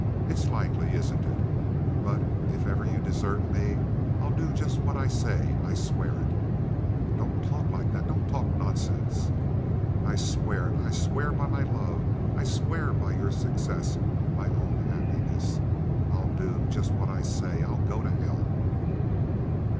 It's likely, isn't it? But if ever you desert me, I'll do just what I say. I swear it." "Don't talk like that. Don't talk nonsense." "I swear it. I swear by my love. I swear by your success—my own happiness. I'll do just what I say. I'll go to hell."